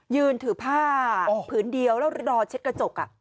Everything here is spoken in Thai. ยืนถือผ้าผืนเดียวแล้วรอเช็ดกระจก